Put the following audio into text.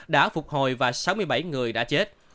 đã phục hồi và sáu mươi bảy người đã chết